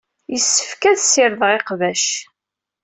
Yessefk ad ssirdeɣ iqbac.